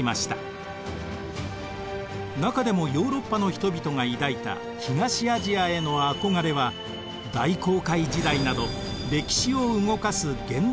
中でもヨーロッパの人々が抱いた東アジアへの憧れは大航海時代など歴史を動かす原動力となっていくのです。